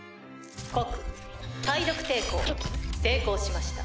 告耐毒抵抗成功しました。